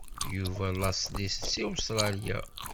Yuba laṣel-is seg Ustṛalya.